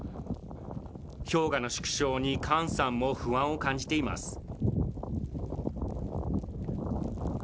氷河の縮小にカーンさんも不安を感じています。